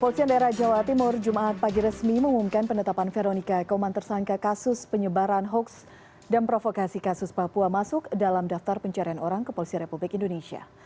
polisian daerah jawa timur jumat pagi resmi mengumumkan penetapan veronica koman tersangka kasus penyebaran hoax dan provokasi kasus papua masuk dalam daftar pencarian orang kepolisian republik indonesia